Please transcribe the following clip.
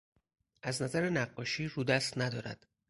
از نظر نقاشی رودست ندارد.